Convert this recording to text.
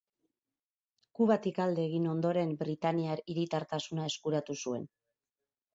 Kubatik alde egin ondoren britainiar hiritartasuna eskuratu zuen.